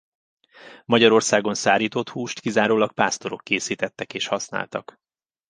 Magyarországon szárított húst kizárólag pásztorok készítettek és használtak.